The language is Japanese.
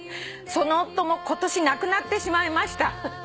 「その夫も今年亡くなってしまいました」